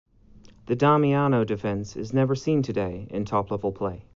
The Damiano Defence is never seen today in top-level play.